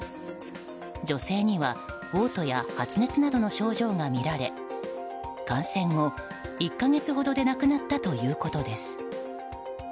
女性には嘔吐や発熱などの症状がみられ感染後、１か月ほどで亡くなったということです。